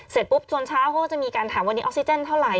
เสร็จปุ๊บจนเช้าเขาก็จะมีการถามวันนี้ออกซิเจนเท่าไห